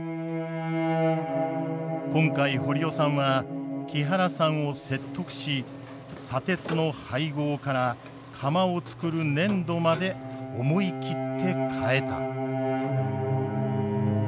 今回堀尾さんは木原さんを説得し砂鉄の配合から釜をつくる粘土まで思い切って変えた。